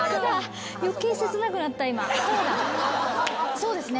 そうですね。